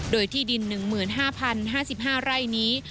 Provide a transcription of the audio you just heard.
โดยที่ดิน๑๕๐๕๕ไร่นี้